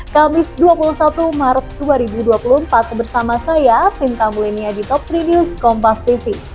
kamis dua puluh satu maret dua ribu dua puluh empat bersama saya sinta mulyania di top prime news kompas tv